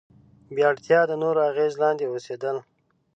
بې اړتیا د نورو اغیز لاندې اوسېدل.